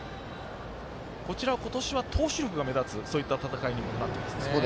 こちら今年は投手が目立つそういった戦いにもなっています。